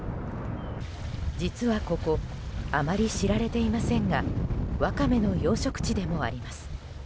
実はここあまり知られていませんがワカメの養殖地でもあります。